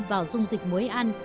vào dung dịch muối ăn